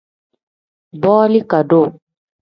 Booli kadoo.